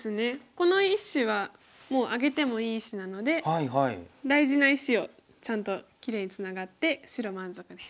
この１子はもうあげてもいい石なので大事な石をちゃんときれいにツナがって白満足です。